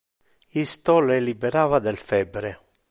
Isto le liberava del febre.